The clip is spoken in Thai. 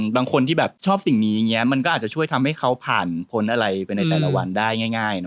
บางคนที่แบบชอบสิ่งนี้อย่างนี้มันก็อาจจะช่วยทำให้เขาผ่านพ้นอะไรไปในแต่ละวันได้ง่ายนะ